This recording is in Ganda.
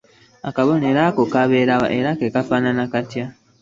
Akabonero ako kabeera wa, era kafaanana katya?